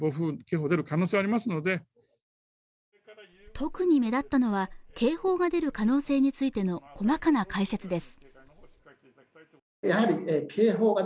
特に目立ったのは警報が出る可能性についての細かな解説です